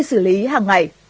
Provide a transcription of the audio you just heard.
xử lý hàng ngày